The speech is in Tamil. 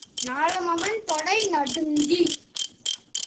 நாலாமவன் தொடை நடுங்கி.